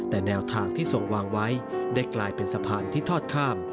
แต่แนวทางที่ทรงวางไว้ได้กลายเป็นสะพานที่ทอดข้าม